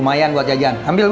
tinggal di examples